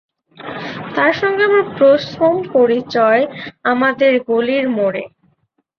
তার সঙ্গে আমার প্রথম পরিচয় আমাদের গলির মোড়ে।